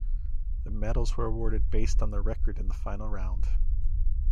The medals were awarded based on the record in the final round.